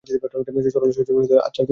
সরলা সহজ সুরেই বললে, আচ্ছা, এসো তুমি।